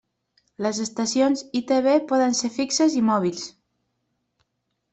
Les estacions ITV poden ser fixes i mòbils.